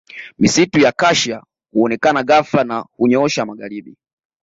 Misitu ya Acacia huonekana ghafla na hunyoosha magharibi